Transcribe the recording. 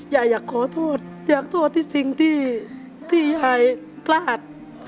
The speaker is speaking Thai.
อยากขอโทษอยากโทษที่สิ่งที่ยายพลาด